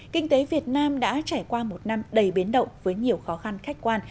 kinh tế việt nam đã trải qua một năm đầy biến động với nhiều khó khăn khách quan